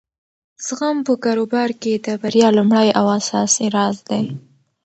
زغم په کاروبار کې د بریا لومړی او اساسي راز دی.